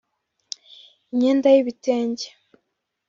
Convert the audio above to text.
imyenda y’ibitenge